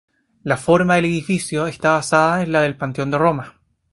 La forma del edificio está basada en la del Panteón de Roma.